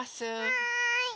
はい！